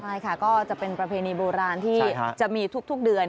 ใช่ค่ะก็จะเป็นประเพณีโบราณที่จะมีทุกเดือน